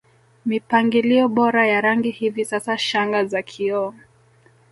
mipangilio bora ya rangi Hivi sasa shanga za kioo